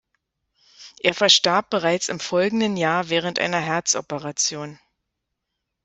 Er verstarb bereits im folgenden Jahr während einer Herzoperation.